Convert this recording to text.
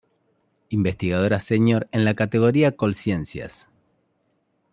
Investigadora Senior en la categoría Colciencias.